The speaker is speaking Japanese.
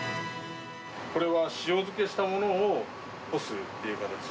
これは塩漬けしたものを干すという形。